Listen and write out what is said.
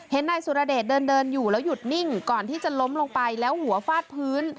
นายสุรเดชเดินอยู่แล้วหยุดนิ่งก่อนที่จะล้มลงไปแล้วหัวฟาดพื้น